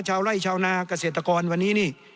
ชาวไล่ชาวนาเกษตรกรวันนี้นี่